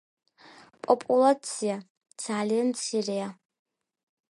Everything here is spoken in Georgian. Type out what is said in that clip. პოპულაცია ძალზე მცირეა.